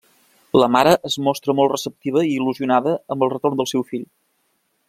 La mare es mostra molt receptiva i il·lusionada amb el retorn del seu fill.